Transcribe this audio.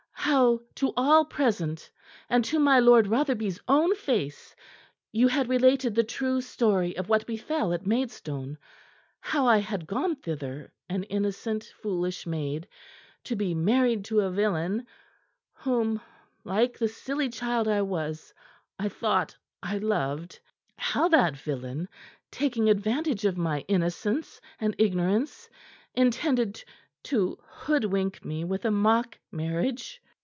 How to all present and to my Lord Rotherby's own face you had related the true story of what befell at Maidstone how I had gone thither, an innocent, foolish maid, to be married to a villain, whom, like the silly child I was, I thought I loved; how that villain, taking advantage of my innocence and ignorance, intended to hoodwink me with a mock marriage.